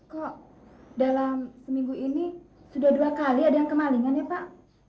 kok dalam seminggu ini sudah dua kali ada yang kemalingan ya pak